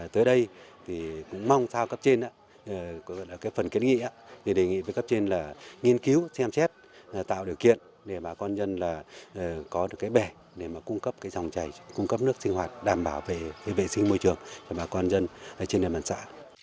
tới đây thì cũng mong sao cấp trên cái phần kết nghị thì đề nghị với cấp trên là nghiên cứu xem xét tạo điều kiện để bà con dân là có được cái bể để mà cung cấp cái dòng chảy cung cấp nước sinh hoạt đảm bảo về vệ sinh môi trường cho bà con dân trên địa bàn xã